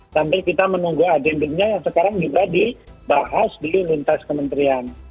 sampai kita menunggu adem ademnya yang sekarang juga dibahas di lintas kementerian